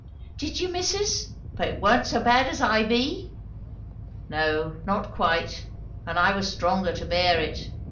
"Did you, missus! But it warn't so bad as I be?" "No, not quite, and I was stronger to bear it.